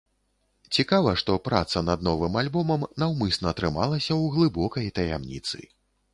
Цікава, што праца над новым альбомам наўмысна трымалася у глыбокай таямніцы.